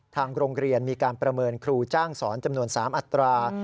ทางโรงเรียนมีการประเมินครูจ้างสอนจำนวน๓อัตรา